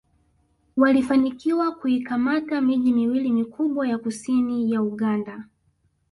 Walifanikiwa kuikamata miji miwili mikubwa ya kusini ya Uganda